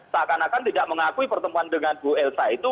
seakan akan tidak mengakui pertemuan dengan bu elsa itu